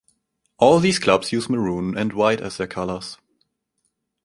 All these clubs use maroon and white as their colours.